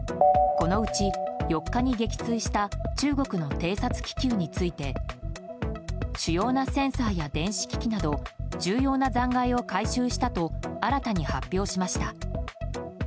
このうち４日に撃墜した中国の偵察気球について主要なセンサーや電子機器など重要な残骸を回収したと新たに発表しました。